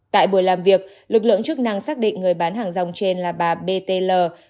tại buổi làm việc lực lượng chức năng xác định người bán hàng rong trên là bà b t l